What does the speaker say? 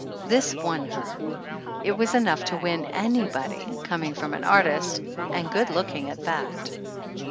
This won her. It was enough to win anybody, coining from an artist, and good looking at that.